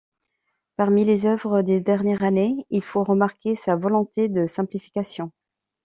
Parmi les œuvres des dernières années, il faut remarquer sa volonté de simplification.